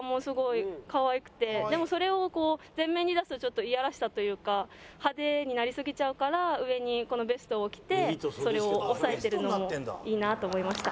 でもそれをこう前面に出すとちょっとイヤらしさというか派手になりすぎちゃうから上にこのベストを着てそれを抑えてるのもいいなと思いました。